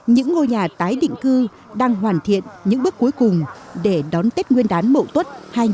những ngôi nhà tái định cư đang hoàn thiện những bước cuối cùng để đón tết nguyên đán mậu tuất hai nghìn hai mươi